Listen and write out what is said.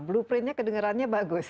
blueprintnya kedengerannya bagus